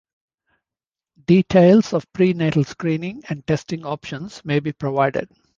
Details of prenatal screening and testing options may be provided.